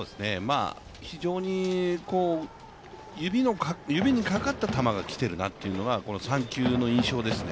非常に指にかかった球がきてるなというのが３球の印象ですね。